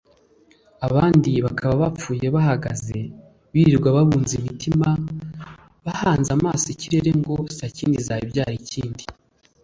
abandi bakaba bapfuye bahagze birirwa babunza imitima bahanze amaso ikirere ngo sakindi izabyare ikindi